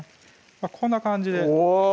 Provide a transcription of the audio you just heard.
こんな感じでお！